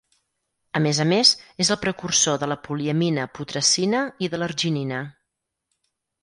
A més a més, és el precursor de la poliamina putrescina i de l’arginina.